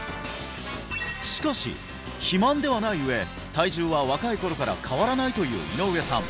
しかし肥満ではない上体重は若い頃から変わらないという井上さん